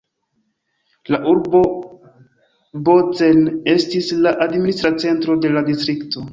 La urbo Bautzen estis la administra centro de la distrikto.